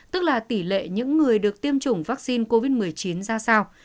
tức là tỷ lệ những người được tiêm chủng vaccine covid một mươi chín ra sao